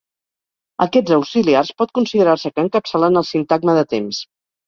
Aquests auxiliars pot considerar-se que encapçalen el sintagma de temps.